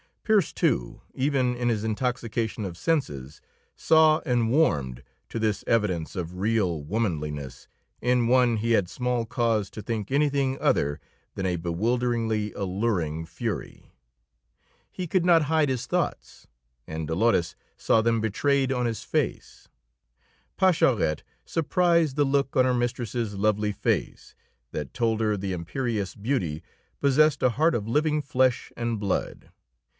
Pearse, too, even in his intoxication of senses, saw and warmed to this evidence of real womanliness in one he had small cause to think anything other than a bewilderingly alluring fury. He could not hide his thoughts, and Dolores saw them betrayed on his face; Pascherette surprised the look on her mistress's lovely face that told her the imperious beauty possessed a heart of living flesh and blood.